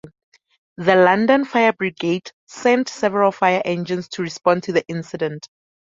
The London Fire Brigade sent several fire engines to respond to the incident.